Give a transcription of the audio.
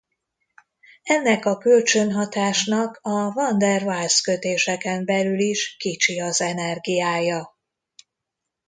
Ennek a kölcsönhatásnak a van der Waals-kötéseken belül is kicsi az energiája.